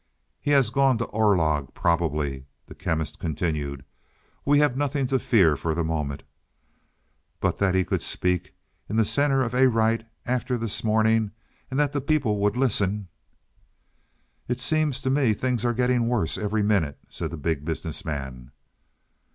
"He has gone to Orlog probably," the Chemist continued. "We have nothing to fear for the moment. But that he could speak, in the centre of Arite, after this morning, and that the people would listen " "It seems to me things are getting worse every minute," said the Big Business Man.